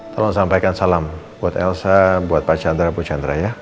tolong sampaikan salam buat elsa buat pak chandra bu chandra ya